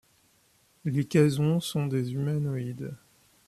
Les Kazons sont des humanoïdes.